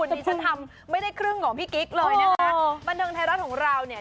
ที่ฉันทำไม่ได้ครึ่งของพี่กิ๊กเลยนะคะบันเทิงไทยรัฐของเราเนี่ย